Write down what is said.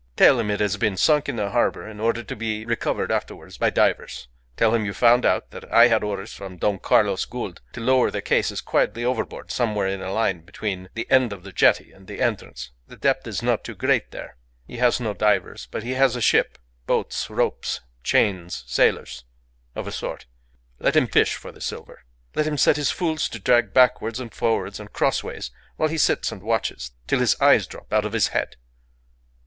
Tell him it has been sunk in the harbour in order to be recovered afterwards by divers. Tell him you found out that I had orders from Don Carlos Gould to lower the cases quietly overboard somewhere in a line between the end of the jetty and the entrance. The depth is not too great there. He has no divers, but he has a ship, boats, ropes, chains, sailors of a sort. Let him fish for the silver. Let him set his fools to drag backwards and forwards and crossways while he sits and watches till his eyes drop out of his head."